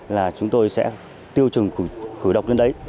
là chúng tôi sẽ tiêu trùng khử độc đến đấy